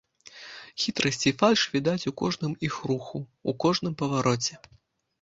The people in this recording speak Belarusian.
Хітрасць і фальш відаць у кожным іх руху, у кожным павароце.